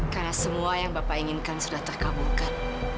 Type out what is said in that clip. karena semua yang bapak inginkan sudah terkaburkan